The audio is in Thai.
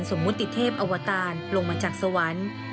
เสมือนสมมุติเทพอวตารลงมาจากสวรรค์